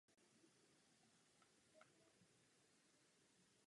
Důvodem rezignace na mandát v Říšském sněmu byl nástup do vysoké státní funkce.